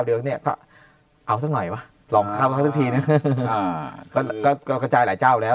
เดือกเนี่ยก็เอาสักหน่อยวะลองครับทีก็กระจายหลายเจ้าแล้ว